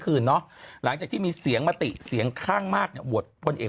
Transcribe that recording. เนาะหลังจากที่มีเสียงมติเสียงข้างมากเนี่ยโหวตพลเอก